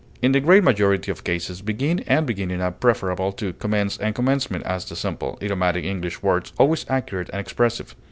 In the great majority of cases begin and beginning are preferable to commence and commencement as the simple, idiomatic English words, always accurate and expressive.